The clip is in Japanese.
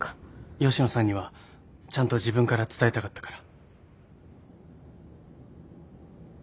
吉野さんにはちゃんと自分から伝えたかったから。